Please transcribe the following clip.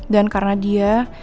dan karena dia